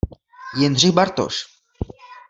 Jindřich Bartoš.